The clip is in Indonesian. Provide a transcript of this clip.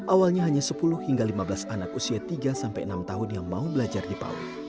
awalnya hanya sepuluh hingga lima belas anak usia tiga sampai enam tahun yang mau belajar di pau